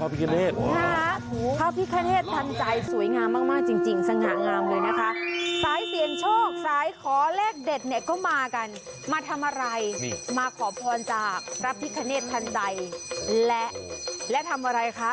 รับพิคเนธทันใดและและทำอะไรคะ